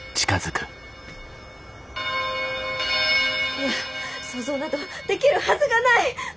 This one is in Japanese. いや想像などできるはずがない！